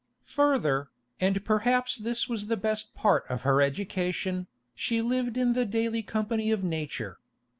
Further, and perhaps this was the best part of her education, she lived in the daily company of Nature.